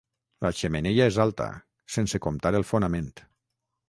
La xemeneia és alta, sense comptar el fonament.